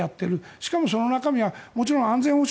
しかもその中身はもちろん安全保障